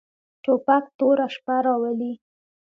توپک توره شپه راولي.